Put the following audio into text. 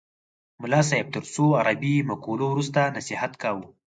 ملا صاحب تر څو عربي مقولو وروسته نصیحت کاوه.